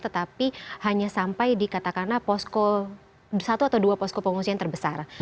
tetapi hanya sampai di katakanlah posko satu atau dua posko pengungsian terbesar